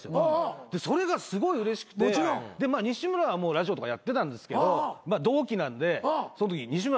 でそれがすごいうれしくて西村はもうラジオとかやってたんですけど同期なんでそんとき西村に言ったんですよ。